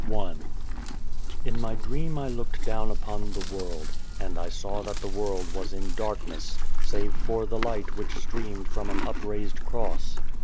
184 I IN my dream I looked down upon the world, and I saw that the world was in darkness, save for the light which streamed from an upraised Cross.